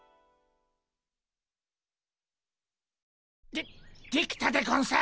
でできたでゴンス！